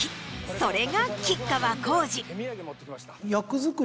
それが吉川晃司。